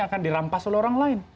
akan dirampas oleh orang lain